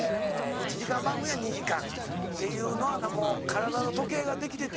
１時間番組は２時間っていうのは体の時計ができてて。